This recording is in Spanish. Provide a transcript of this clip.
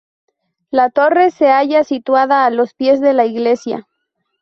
La torre se halla situada a los pies de la iglesia.